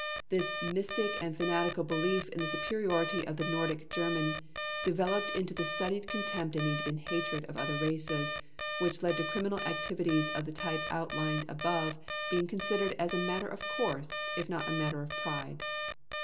This mystic and fanatical belief in the superiority of the Nordic German developed into the studied contempt and even hatred of other races which led to criminal activities of the type outlined above being considered as a matter of course if not a matter of pride.